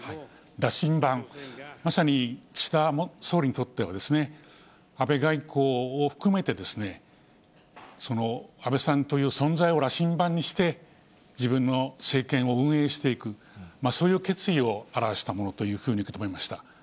羅針盤、まさに岸田総理にとっては、安倍外交を含めて、その安倍さんという存在を羅針盤にして、自分の政権を運営していく、そういう決意を表したものというふうに受け止めました。